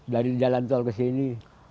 dari jalan tol ke sini